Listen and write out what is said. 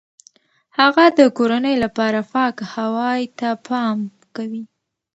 هغه د کورنۍ لپاره پاک هوای ته پام کوي.